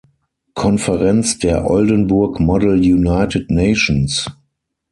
Konferenz der Oldenburg Model United Nations.